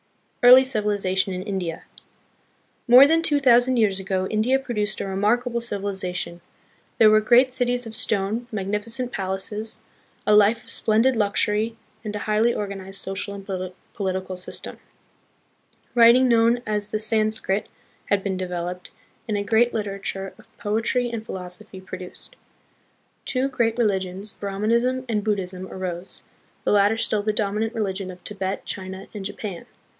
Early Civilization in India. More than two thou sand years ago, India produced a remarkable civili zation. There were great cities of stone, magnificent palaces, a life of splendid luxury, and a highly organized social and political system. Writing, known as the San skrit, had been developed, and a great literature of poetry THE PEOPLES OF THE PHILIPPINES. 37 and philosophy produced. Two great religions, Brahmin ism and Buddhism, arose, the latter still the dominant religion of Tibet, China, and Japan.